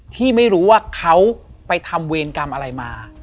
ที่ไม่รู้ว่าเขาไปทำเวรกรรมอะไรมา